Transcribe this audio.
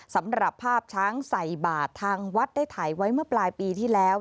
สำหรับภาพช้างใส่บาททางวัดได้ถ่ายไว้เมื่อปลายปีที่แล้ว